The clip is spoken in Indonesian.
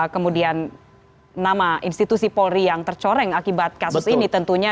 kemudian nama institusi polri yang tercoreng akibat kasus ini tentunya